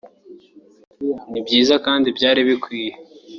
ni byiza kandi byari bikwiye